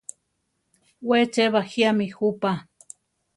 We che bajíami jupa.